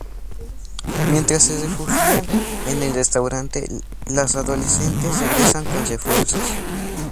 Mientras se refugian en el restaurante, las adolescentes regresan con refuerzos.